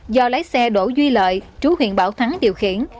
do lái xe đổ duy lợi trú huyện bảo thắng điều khiển